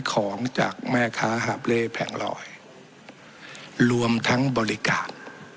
ของจากแม่ค้าหาบเล่แผงลอยรวมทั้งบริการ